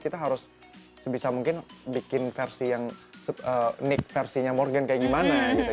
kita harus sebisa mungkin bikin versi yang nick versinya morgan kayak gimana gitu